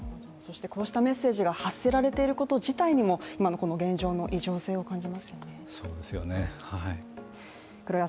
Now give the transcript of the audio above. こうしたメッセージが発せられていること自体にも今のこの現状の異常性を感じますよね。